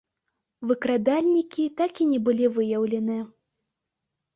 Выкрадальнікі так і не былі выяўлены.